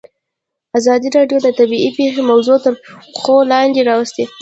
ازادي راډیو د طبیعي پېښې موضوع تر پوښښ لاندې راوستې.